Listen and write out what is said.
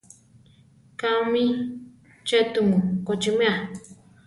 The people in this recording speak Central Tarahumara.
Kámi tze tumu kochímea?